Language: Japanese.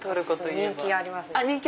人気ありますか。